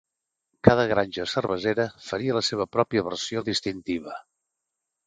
Cada granja cervesera faria la seva pròpia versió distintiva.